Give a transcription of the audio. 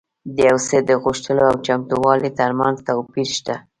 د يو څه د غوښتلو او چمتووالي ترمنځ توپير شته.